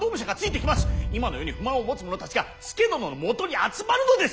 今の世に不満を持つ者たちが佐殿のもとに集まるのです！